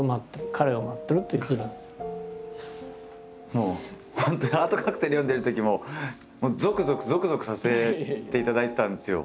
もう本当に「ハートカクテル」読んでるときもゾクゾクゾクゾクさせていただいてたんですよ